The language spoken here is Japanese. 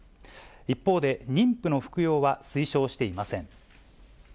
一方で、妊婦の服用は推奨していません。